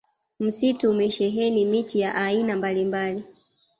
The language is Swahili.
msitu umesheheni miti ya aina mbalimbali